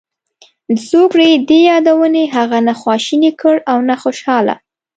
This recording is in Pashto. د زوکړې دې یادونې هغه نه خواشینی کړ او نه خوشاله.